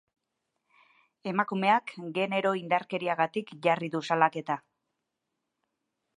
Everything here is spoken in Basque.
Emakumeak genero-indarkeriagatik jarri du salaketa.